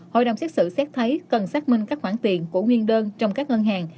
hội đồng xét xử xét thấy cần xác minh các khoản tiền của nguyên đơn trong các ngân hàng